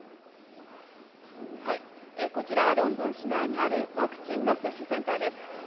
こちらはロンドン市内にあるワクチンの接種センターです。